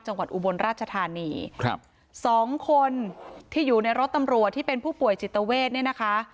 อุบลราชธานีครับสองคนที่อยู่ในรถตำรวจที่เป็นผู้ป่วยจิตเวทเนี่ยนะคะ